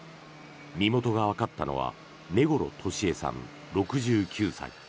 身元がわかったのは根来敏江さん、６９歳。